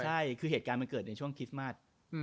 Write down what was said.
ใช่คือเหตุการณ์มันเกิดในช่วงคริสต์มาส